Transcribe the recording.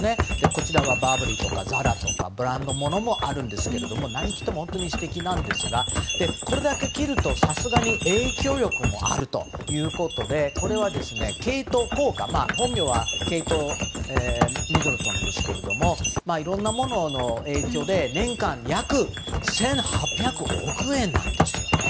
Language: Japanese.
ブランド物もあるんですが何着ても本当に素敵ですがこれだけ着るとさすがに影響力もあるということでこれはケイト効果本名はケイト・ミドルトンですがいろんなものの影響で年間約１８００億円なんですね。